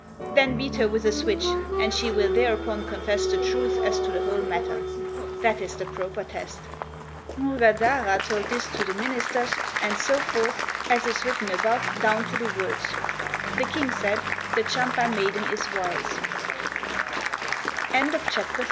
Then beat her with a switch, and she will thereupon confess the truth as to the whole matter. That is the proper test." Mrgadhara told this to the ministers, and so forth, as is written above, down to the words, "The king said, *The Champa ma